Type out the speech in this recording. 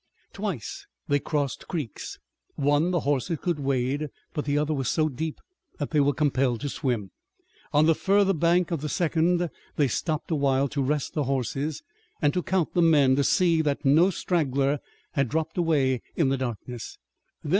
Twice they crossed creeks. One the horses could wade, but the other was so deep that they were compelled to swim. On the further bank of the second they stopped a while to rest the horses and to count the men to see that no straggler had dropped away in the darkness.